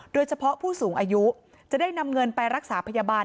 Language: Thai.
โดยเฉพาะผู้สูงอายุจะได้นำเงินไปรักษาพยาบาล